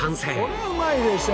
これはうまいでしょ。